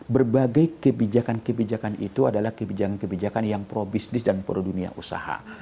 berbagai kebijakan kebijakan itu adalah kebijakan kebijakan yang pro bisnis dan pro dunia usaha